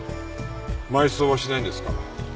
埋葬はしないんですか？